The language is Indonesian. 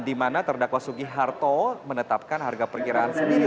dimana terdakwa sugi harto menetapkan harga perkiraan sendiri